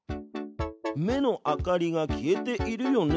目の明かりが消えているよね。